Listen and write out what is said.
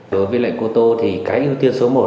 đối với lệnh cô tô thì cái ưu tiên số một